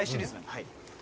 はい。